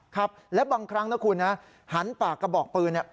ครับและบางครั้งนะคุณนะหันปากกระบอกปืนเนี่ย